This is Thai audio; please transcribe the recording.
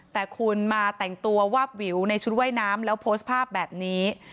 แต่คุณมาแต่งตัววาบวิวในชุดว่ายน้ำแล้วโพสต์ภาพแบบนี้